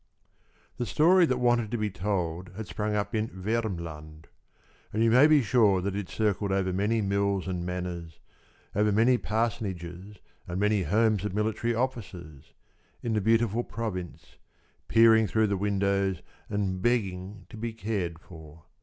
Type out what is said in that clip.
The story that wanted to be told had sprung up in Vermland, and you may be sure that it circled over many mills and manors, over many parsonages and many homes of military officers, in the beautiful province, peering through the windows and begging to be cared for.